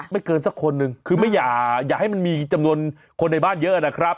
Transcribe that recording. เกินสักคนหนึ่งคือไม่อย่าให้มันมีจำนวนคนในบ้านเยอะนะครับ